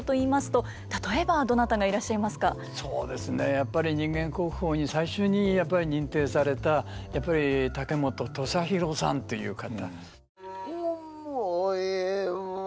やっぱり人間国宝に最初に認定された竹本土佐廣さんという方。